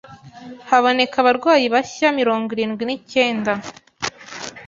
haboneka abarwayi bashya mirongo irindwi ni cyenda